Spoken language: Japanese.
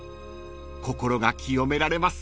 ［心が清められます］